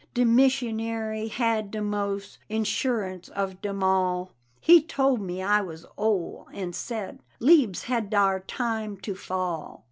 De missionary had de mose Insurance of dem all; He tole me I was ole, and said, Leabes had dar time to fall.